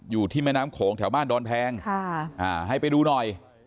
อยู่ที่แม่น้ำโขงแถวบ้านดอนแพงให้ไปดูหน่อย